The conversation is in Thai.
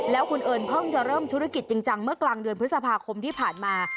แล้วคุณเอิญเพิ่งจะเริ่มธุรกิจจริงจังเมื่อกลางเดือนพฤษภาคมที่ผ่านมา